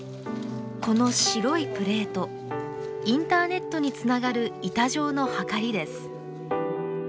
この白いプレートインターネットにつながる板状のはかりです。